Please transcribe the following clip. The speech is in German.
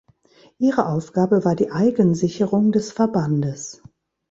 Ihre Aufgabe war die Eigensicherung des Verbandes.